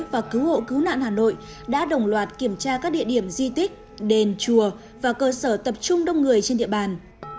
và đồng loạt kiểm tra các địa điểm di tích đền chùa và cơ sở tập trung đông người trên địa bàn